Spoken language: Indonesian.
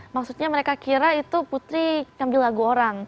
maksudnya mereka kira itu putri ambil lagu orang